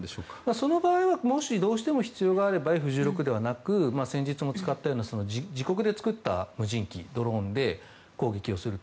その場合はどうしても必要があればＦ１６ではなく先日も使ったような自国で作った無人機ドローンで攻撃をすると。